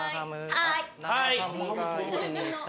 はい。